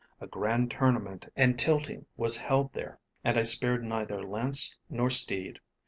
A grand tournament and tilting was held there, and I spared neither lance nor steed.